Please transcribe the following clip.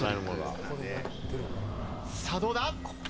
さあ、どうだ？